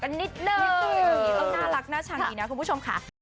กันนิดเลยน่ารักน่าชังดีนะคุณผู้ชมค่ะ